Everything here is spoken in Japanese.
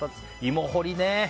芋掘りね。